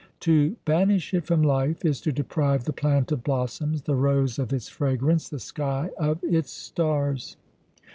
To banish it from life is to deprive the plant of blossoms, the rose of its fragrance, the sky of its stars."